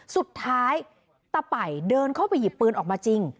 สุดท้ายตะป่ายเดินเข้าไปหยิบปืนออกมาจริง